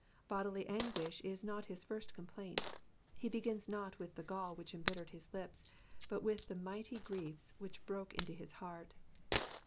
Bodily anguish is not his first complaint ; he begins not with the gall which embittered his lips, but with the mighty griefs which broke into his heart.